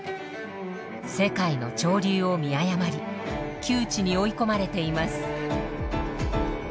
世界の潮流を見誤り窮地に追い込まれています。